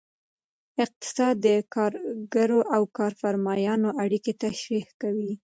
اقتصاد د کارګرو او کارفرمایانو اړیکې تشریح کوي.